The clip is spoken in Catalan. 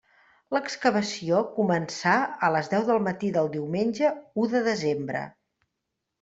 L'excavació començà a les deu del matí del diumenge u de desembre.